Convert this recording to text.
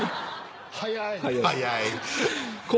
早い。